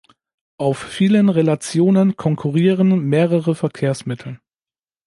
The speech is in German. Auf vielen Relationen konkurrieren mehrere Verkehrsmittel.